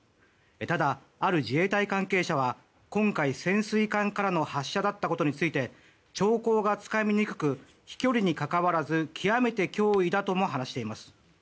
ただ、ある自衛隊関係者は今回、潜水艦からの発射だったことについて兆候がつかみにくく飛距離にかかわらず極めて脅威だとも話しています。